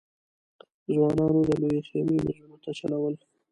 ځوانانو د لويې خېمې مېزونو ته چلول.